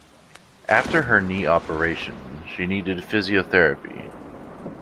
After her knee operation, she needed physiotherapy